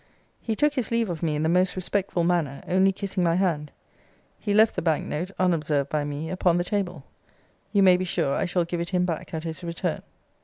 He took his leave of me in the most respectful manner, only kissing my hand. He left the bank note, unobserved by me, upon the table. You may be sure, I shall give it him back at his return.